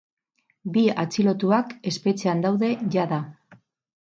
Bi atxilotuak espetxean daude jada.